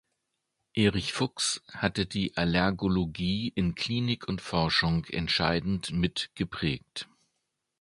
Erich Fuchs hat die Allergologie in Klinik und Forschung entscheidend mit geprägt.